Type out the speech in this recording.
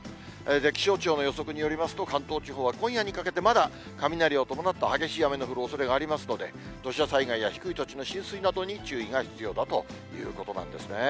気象庁の予測によりますと、関東地方は今夜にかけて、まだ雷を伴った激しい雨の降るおそれがありますので、土砂災害や低い土地の浸水などに注意が必要だということなんですね。